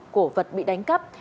cổ vật bị đánh cắp